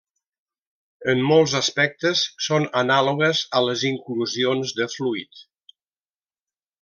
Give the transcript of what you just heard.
En molts aspectes són anàlogues a les inclusions de fluid.